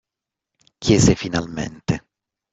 Chiese finalmente.